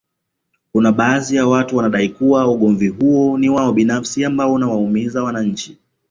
Kuna baadhi ya watu wanadai kuwa huo ni ugomvi wao binafsi ambao unawaumiza wananchi